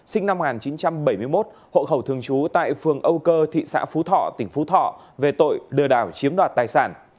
sinh năm một nghìn chín trăm bảy mươi một hộ khẩu thường trú tại phường âu cơ thị xã phú thọ tỉnh phú thọ về tội lừa đảo chiếm đoạt tài sản